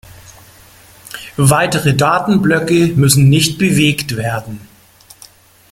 Weitere Datenblöcke müssen nicht bewegt werden.